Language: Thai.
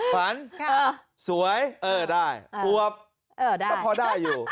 ฝันสวยเออได้อวบก็พอได้อยู่